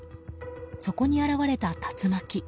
そこに現れた竜巻。